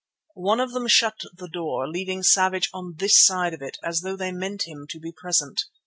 One of them shut the door, leaving Savage on this side of it as though they meant him to be present.